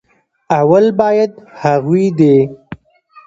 اول بايد هغوي دې